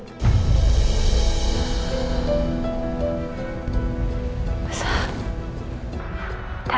tak usah kacak